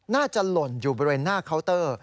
น่าจะหล่นอยู่บะเวนหน้าเคาน์เตอร์